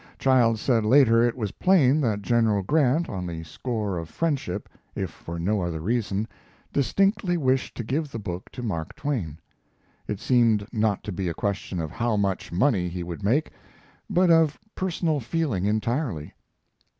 Childs said later it was plain that General Grant, on the score of friendship, if for no other reason, distinctly wished to give the book to Mark Twain. It seemed not to be a question of how much money he would make, but of personal feeling entirely.